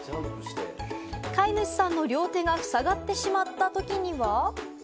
飼い主さんの両手がふさがってしまったときには。